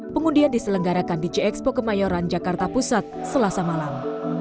pengundian diselenggarakan di jxpo kemayoran jakarta pusat selasa malam